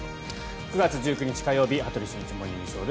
９月１９日、火曜日「羽鳥慎一モーニングショー」。